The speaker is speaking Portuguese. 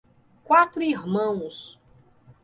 Quatro Irmãos